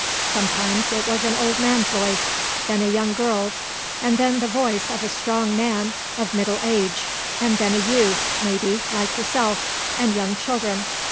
Sometimes it was an old man's voice, then a young girl's, and then the voice of a strong man of middle age, and then a youth, maybe, like yourself, and young children.